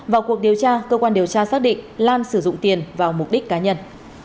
vào cuộc điều tra cơ quan điều tra xác định lan sử dụng tiền vào mục đích cá nhân